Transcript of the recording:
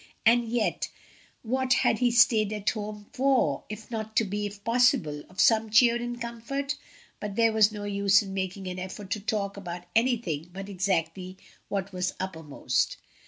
And yet what had he stayed at home for if not to be, if possible, of some cheer and comfort? But there was no use in making an effort to talk about anything but exactly what was uppermost.